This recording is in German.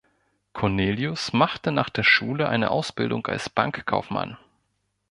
Cornelius machte nach der Schule eine Ausbildung als Bankkaufmann.